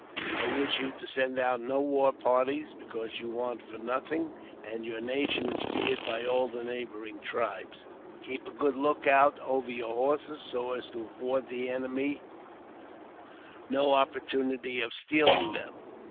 I wish you to send out no war parties, because you want for nothing, and your nation is feared by all the neighbouring tribes. Keep a good look out over your horses, so as to afford the enemy no opportunity of stealing them.